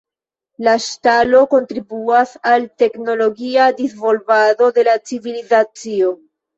La ŝtalo kontribuas al teknologia disvolvado de la civilizacio.